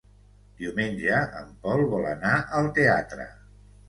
Diumenge en Pol vol anar al teatre.